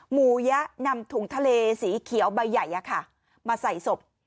หมูยะนำถุงทะเลสีเขียวใบใหญ่มาใส่ศพ